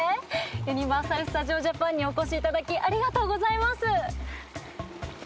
ユニバーサル・スタジオ・ジャパンにお越しいただきありがとうございます。